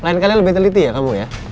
lain kalian lebih teliti ya kamu ya